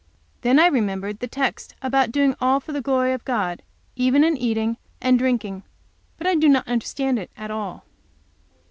Then I remembered the text about doing all for the glory of God, even in eating and drinking; but I do not understand it at all.